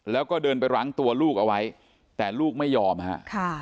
แล้วก็เดินไปรั้งตัวลูกเอาไว้แต่ลูกไม่ยอมฮะ